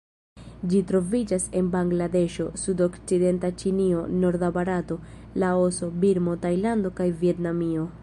Ĝi troviĝas en Bangladeŝo, sudokcidenta Ĉinio, norda Barato, Laoso, Birmo, Tajlando kaj Vjetnamio.